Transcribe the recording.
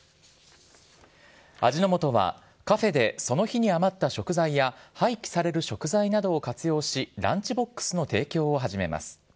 味の素はカフェでその日に余った食材や、廃棄される食材などを活用し、ランチボックスの提供を始めます。